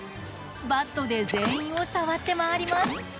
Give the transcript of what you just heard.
バットで全員を触って回ります。